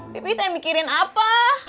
pipi teh mikirin apa